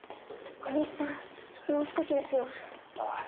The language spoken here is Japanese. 小西さんもう少しですよ。ああ。